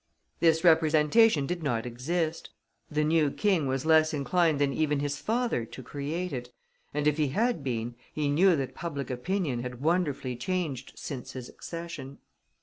This representation did not exist; the new King was less inclined than even his father to create it; and if he had been, he knew that public opinion had wonderfully changed since his accession.